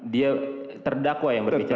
dia terdakwa yang berbicara